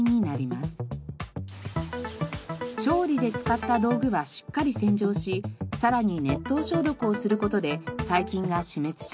調理で使った道具はしっかり洗浄しさらに熱湯消毒をする事で細菌が死滅します。